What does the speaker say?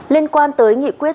liên quan tới nghị quyết